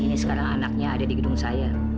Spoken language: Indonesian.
ini sekarang anaknya ada di gedung saya